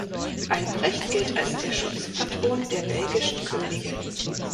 Albrecht gilt als der Schutzpatron der belgischen Könige.